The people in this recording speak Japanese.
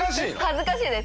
恥ずかしいです。